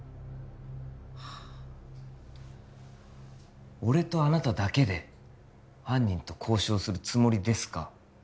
はあ俺とあなただけで犯人と交渉するつもりですか？